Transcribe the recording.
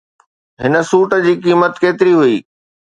هن سوٽ جي قيمت ڪيتري هئي؟